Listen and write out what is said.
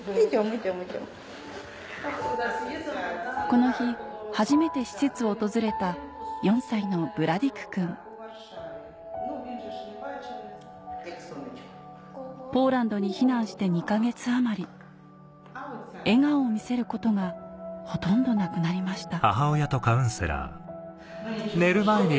この日初めて施設を訪れたポーランドに避難して２か月余り笑顔を見せることがほとんどなくなりました